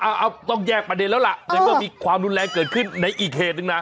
อ้าวต้องแยกประเร็จแล้วละมีความรุนแรงเกินขึ้นในอีกเครตนะ